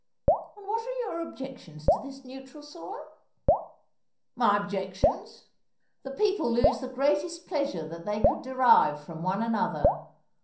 "And what are your objections to this neutral soil?" "My objections? The people lose the greatest pleasure that they could derive from one another.